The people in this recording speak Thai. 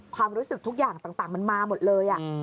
ความรู้สึกทุกอย่างต่างมันมาหมดเลย